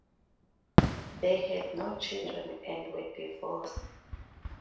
They had no children and were divorced.